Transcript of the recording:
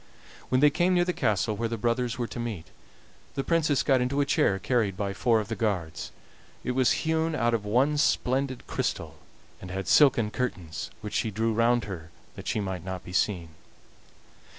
When they came near the castle where the brothers were to meet, the Princess got into a chair carried by four of the guards; it was hewn out of one splendid crystal, and had silken curtains, which she drew round her that she might not be seen.